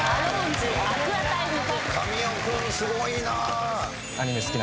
神尾君すごいなぁ。